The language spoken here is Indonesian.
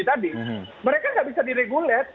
tadi mereka nggak bisa diregulat